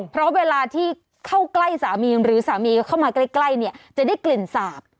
เพราะเวลาที่เข้าใกล้สามีหรือสามีเข้ามาใกล้เนี่ยจะได้กลิ่นสาบ